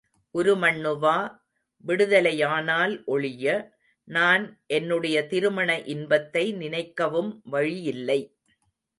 உருமண்ணுவா விடுதலையானால் ஒழிய, நான் என்னுடைய திருமண இன்பத்தை நினைக்கவும் வழியில்லை.